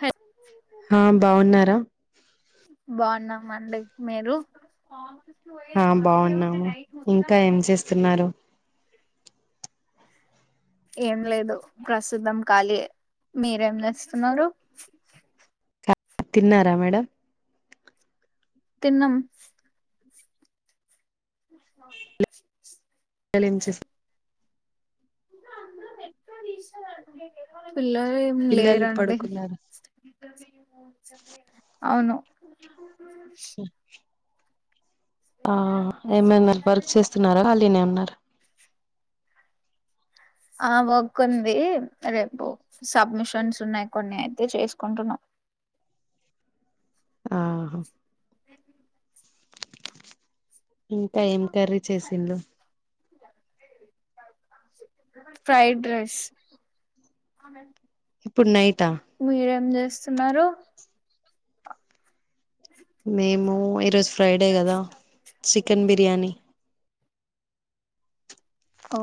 హల్ ఆ బాగున్నారా మండి మీరు ఆ బాగున్నాము ఇంకా ఏం చేస్తున్నారు ఏం లేదు ప్రస్తుతం ఖాళీయె మీరేం చేస్తున్నారు తిన్నారా మేడం తిన్నం ఆ పిల్లలు ఏం చేస్ ఇంట్లో అందరు [inaudible] అండి తెల్వనట్ పిల్లలు ఏం పిల్లలు లేరండి పడుకున్నారు అవును ఆ ఏమైన వర్క్ చేస్తున్నారా అలీనే ఉన్నార ఆ వర్క్ ఉంది రేపు సబ్మిషన్స్ ఉన్నాయి కొన్ని అయితే చేసుకుంటున్నాం ఆహ [inaudible] ఇంకా ఏం కర్రీ చేసిండు ఫ్రైడ్ రైస్ ఇప్పుడు నైట్ మీరేం జెత్ ఇస్సున్నారు మేము ఈరోజు ఫ్రైడే కదా చికెన్ బిర్యానీ ఓ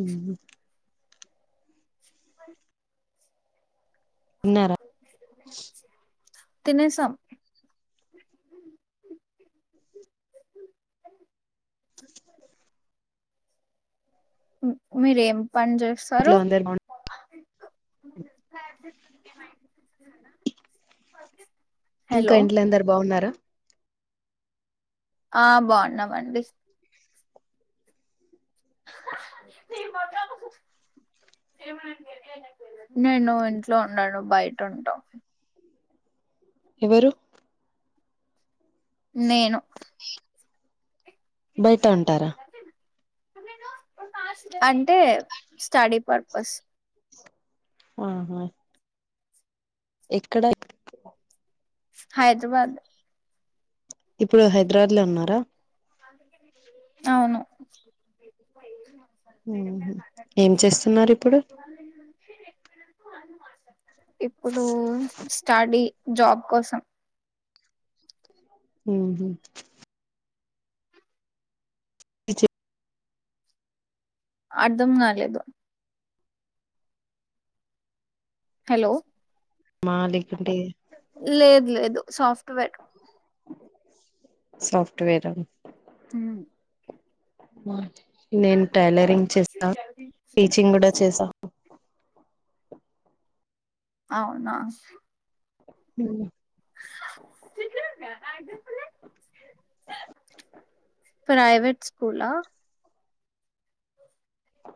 ఉ ఇన్నార తినేసాం మీరేం పని చేస్తారు ఇంట్లో అందరు బాగు ఆ ఇంకా ఇంట్లో అందురు బావున్నారా ఆ బాగున్నామండి నీ మొఖంము ఏమో నాకు తెలియదు తెలవదు నేను ఇంట్లో ఉన్నాను బయట ఉంటట ఎవరు నేను బయట నువ్వే నాకు ఉంటారా తెలవదు అంటే అంటే స్టడీ పర్పస్ ఆహా ఎక్కడ హైదరాబాద్ ఇప్పుడు హైదరాబాద్ లో ఉన్నారా అవును హు ఏం చేస్తున్నారు ఇప్పుడు ఇప్పుడు స్టడీ జాబ్ కోసం ఉహు ఇచ్చే అర్దం కాలేదు హలో మాలిక్ లేదు లేదు సాఫ్ట్ టూవే సాఫ్ట్వేరా హు ఆ నేను టైలరింగ్ చేసా టీచింగ్ కూడా చేసా అవునా హు ద ప్రైవేట్ స్కూల్ లా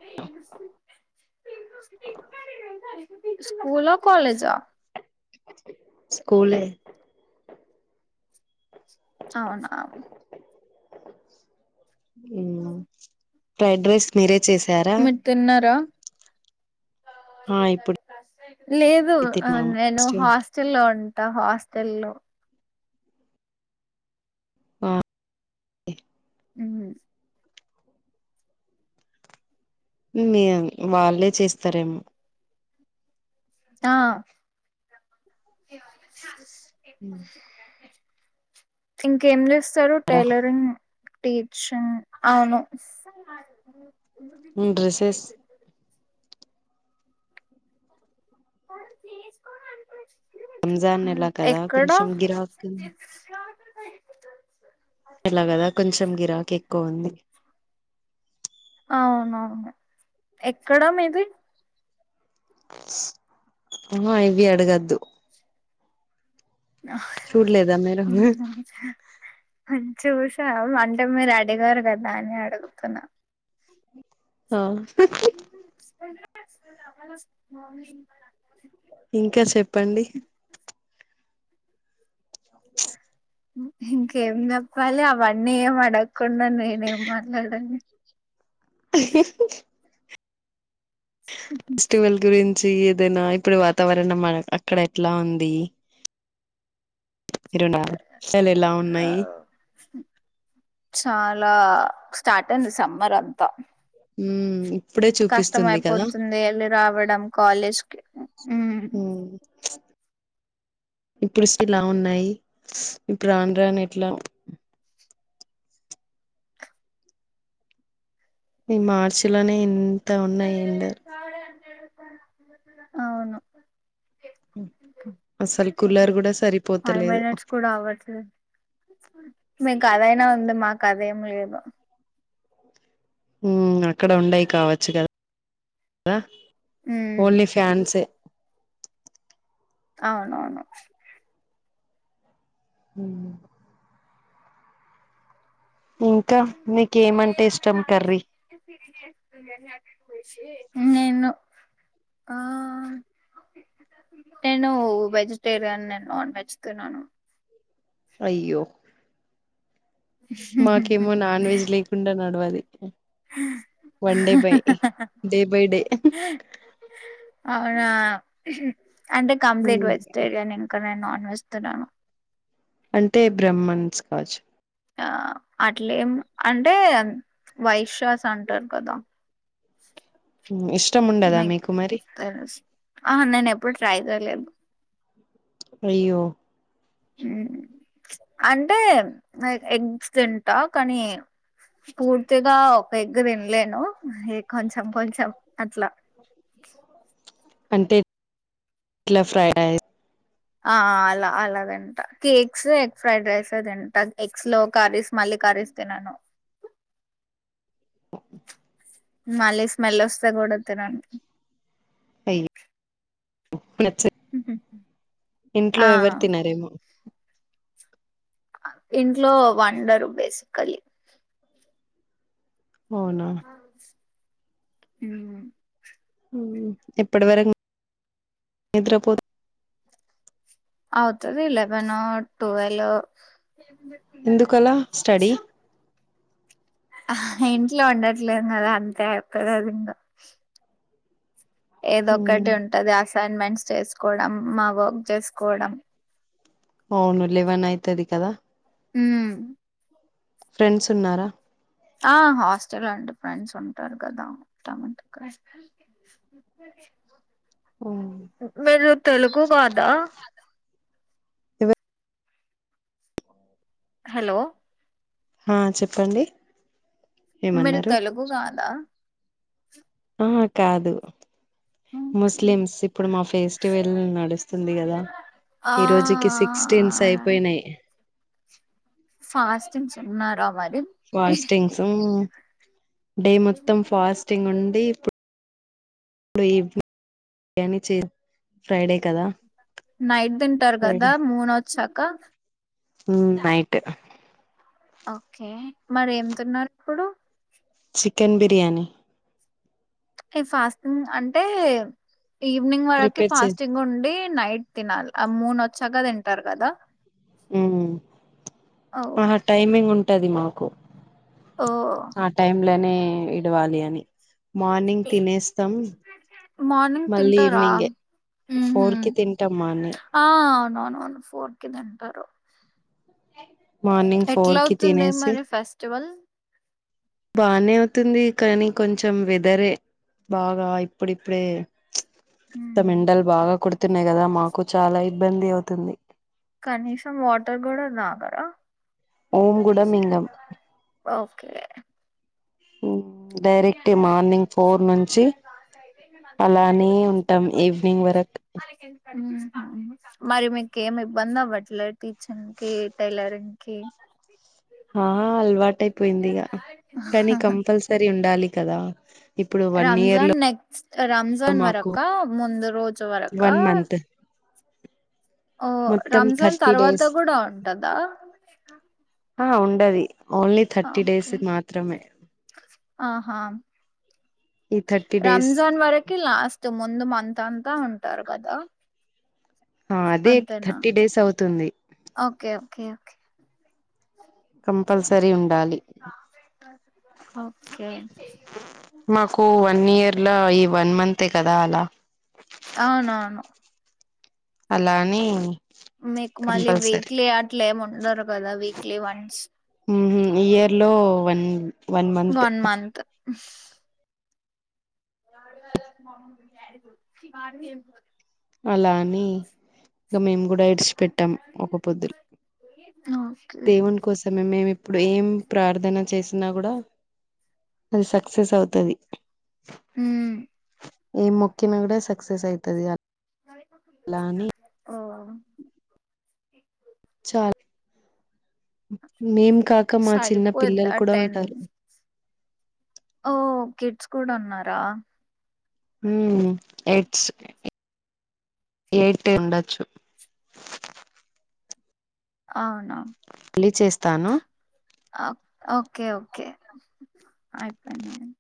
ఏ ప స్కూల్ కాలేజా స్కూలే అవున [inaudible] అ ఫ్రైడ్ రైస్ మీరే చేసారా మరి తిన్నారా ఆ ఇప్పుడు లేదు తిన్నాము నేను హాస్టల్ లో ఉంటా హాస్టల్ లో ఆ ఉమ్మ్ మియం వాళ్ళే చేస్తారేమో ఆ మ్ ఇంకేం చేస్ తరు టైలరింగ్ టీచింగ్ అవును డ్రెస్సెస్ రంజాన్ నెలా కదా ఎక్కడ కొంచెం గిరాకున్ ల గదా కొంచెం గిరాకెక్కువుంది ఎక్కడ మీది ఆ ఇవి అడగద్దు చూడలేదా మీరు గుడు చూశాం అంటే మీరు అడిగారు కదా అని అడుగుతున్నా ఆ ఇంకా చెప్పండి ఇంకేం చెప్పాలి అవన్నీ ఏం అడక్ కొండా నేనేం మాట్లాడాలి ఫెస్టివల్ గురిన్ చి ఏదైనా ఇప్పుడు వాతావరణం మన అక్కడ ఎట్లా ఉంది ఇరునా అసలు ఎలా ఉన్నాయి చాలా స్టార్టన్ సమ్మర్ అంతా ఉమ్మ్ కష్టం అయిపోతుంది వెళ్ళి రావడం కాలేజ్కి ఉమ్ ఇప్పుడిస్టిలా ఉన్నాయి ఇంక రాను రాను ఎట్లా ఈ మార్చిలోనే ఇన్ తే ఉన్నాయి ఎండర్ అవును అసలు కులర్ కూడా ఫైవ్ సరిపోతలేదు మినిట్స్ కూడా కథాఅయినా ఉంది మాకు కథ ఏం లేదు హ్మ్ అక్కడ ఉండయి కావచ్చు కదా ఆ ఉమ్ ఓన్లీ ఫ్యాన్సే అవునువును హ్మ్ ఇంకా నీకేమంటే ఇష్టం కర్రీ నేను ఆ నేను వెజిటేరియన్ నేను నాన్ వెజ్ తినను అయ్యో మాకేమో నాన్ వెజ్ లేకుండా నడవాలి one day by day by day అవునా అంటే కంప్లీట్ హ్మ్. వెజిటేరియన్ ఇంకా నేను ఎస్తునాను అంటే బ్రహ్మన్స్ కాచ్చు ఆ అట్లేం అంటే వైశాస్ అంటారు కదా హ్మ్. ఇష్టం ఉండదా మే మీకు మరి స్ ఆహా నేను ఎప్పుడు ట్రై చేయలేదు అయ్యో అంటే ఎగ్స్ తింటా కానీ పూర్తిగా ఒక ఎగ్ తినలేను ఏ కొంచెం కొంచెం అట్లా అంటే ఎట్లా ఫ్రైడ్ రైస్ ఆ అలా అలా తింట కేక్స్ ఎగ్ ఫ్రైడ్ రైస్ తింట ఎగ్స్ లో కర్రీస్ మళ్ళీ కర్రీస్ తినను ఆ మళ్ళీ స్మెల్ వస్తే కూడా తినను అయ్య నచ్చ ఆ ఇంట్లో ఎవరు తినారేమో ఇంట్లో వండరు బేసికలీ అవునా హ్మ్ హ్మ్ ఎప్పటి వరకు నిద్ర పోతా అవుతది లేవనో టువలో ఎందుకలా స్టడీ ఇంట్లో ఉండట్లేదు కదా అంతే ఒక్కదది ఇంకా హ్మ్. ఏదొక్కటి ఉంటది అ అసైన్మెంట్స్ చేసుకోవడం మా వర్క్ చేసుకోవడం అవును లేవన్ అయితది కదా హ్మ్ ఫ్రెండ్స్ ఉన్నారా ఆ హాస్టల్ అండి ఫ్రెండ్స్ ఉంటారు కదా ఉంటామంట క హ్మ్. మీరు తెలుగు కాదా ఎవరు హలో ఆ చెప్పండి మీరు ఏమన్నారు తెలుగు కాదా ఆహ కాదు ముస్లిమ్స్ ఇప్పుడు మా ఫెస్టివెల్ నడుస్తుంది. కదా ఆ ఈ రోజుకి సిక్స్టీన్స్ అయిపోయినాయి ఫాస్టింగ్స్ ఉన్నారా అవైల్ వాయిస్టింగ్స్ మ్మ్ [inaudible] డే మొత్తం ఫాస్టింగ్ ఉంది ఇప్పు ఇప్పుడు ఈ వినింగ్ బిర్యానీ చేస ఫ్రైడే కదా నైట్ దింటారు కదా ము మునోజ్ చ్ అక్క హ్మ్మ్ నైట్ ఒకే మరి ఏం తున్నారు ఇప్పుడు చికెన్ బిర్యానీ ఈ ఫాస్టింగ్ అంటే ఈవినింగ్ వరకి ప్రిపేర్ చే ఫాస్టింగ్ ఉండి నైట్ తినాల్ ఆ మూన్ వచ్చాగా తింటారు. కదా హుహ్మ్ ప్చ్ ఓ ఆహా టైమింగ్ ఉం ట్టది మాకు ఓ ప్చ్ ఆ టైమ్ లోనే ఇద్ ట్టేవాలీయని మార్నింగ్ తినేస్తాం, మార్నింగ్ మళ్ళీ తింటారా ఈవినింగే ఫోర్ కి తింటాం మానే వన్ వన్ ఫోర్ కి తింటారు లేకిన్ ఎట్లా అవుతుంది మరి ఫెస్టివల్ బానే అవుతుంది. కానీ కొంచెం వెదరే బాగా ఇప్పుడిప్పుడే ప్చ్ త్తం హ్మ్. మెండల్ బాగా కొడుత్ తున్నాయి, కదా మాకు చాలా ఇబ్బంది అవుతుంది. కనీసం వాటర్ గూడా తాగరా? ఓం కూడా మింగం ఓకే అదితి డైరెక్ట్ అన్నాడంట మార్నింగ్ ఫోర్ చిట్ట్ గానికి నుంచి టైం లాస్ అయితే, మేము అందరం అలానే ఉంటాం గుండుకొట్టించుకొంటాం. ఈవినింగ్ అందర్నీ వరకు ఆళ్ళ కేం హ్మ్మ్ మ్మ్ ప్చ్ మరి మీకేమి బందవట్ల టీచింగ్ కి, టైలరింగ్ కి ఆ ఆ అల్వాటైపోయిందిగా, ఆహ్ కానీ కంపల్సరీ ఉండాలి. కదా హ్ రంజాన్ నెక్స్ట్ రంజాన్ మాకు వరక, ముందు రోజు వరక వన్ మంత్ ఓ మొత్తం రమజాన్ థర్టీ తర్వాత డేస్ కూడా ఉంటద ఆ ఉండది ఓన్లీ థర్టీ డేస్ మాత్రమే, ఆహా! ఈ థర్టీ డేస్ ఇంత ముందు మంత్ అంత ఉంటారు కదా ఆ అదే థర్టీ డేస్ అవుతుంది ఓకే. ఓకే ఓకే కంపల్సరీ ఉండాలి ఓకే మాకు వన్ ఇయర్ లా ఈ వన్ మంత్ తే కదా అలా అవునవును అలాఆని మీకు మళ్ళీ వీక్లీ అట్లే ఏమి ఉండరు కదా వీక్లీ క్లి వన్స్ ఊహుమ్ ఇయర్ లో వన్ వన్ మంత్ [inaudible] చి వాడు ఏం [unintelligible] అలాని ఇంక మేము కూడా ఇడిచి పెట్టాం ఒకపొద్దు ఓకే దేవుని కోసమే మేము ఇప్పుడు ఏం ప్రార్థన చేసి న్న కూడా అది సక్సెస్ అవుతది ఉమ్మ్ ఏం మొక్కిన కూడ సక్సెస్ అయితది ఇక ఓం చాలా మేం కాక మా చిన్న పిల్లలు సరిపోద్దా కూడా టెన్ ఉంటారు ఓ కిడ్స్ కూడా ఉన్నారా ఉం హెడ్స్ ఏయిటే ఉండచ్చు అవును మళ్ళి చేస్తాను ఓకే ఓకే ఆయిపోయంద